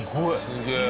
すげえ！